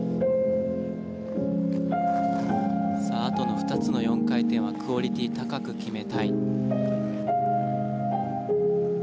あとの２つの４回転はクオリティー高く決めたい。